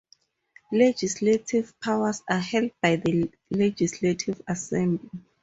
Legislative powers are held by the Legislative Assembly.